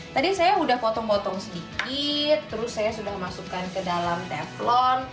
tadi saya sudah potong potong sedikit terus saya sudah masukkan ke dalam teflon